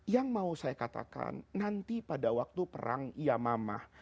yang mau saya katakan nanti pada waktu perang yamamah